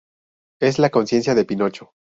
Es la conciencia de Pinocho.